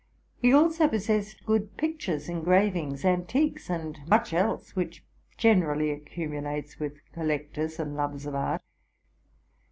He also possessed good pic tures, engravings, antiques, and much else which generally accumulates with collectors and lovers of art.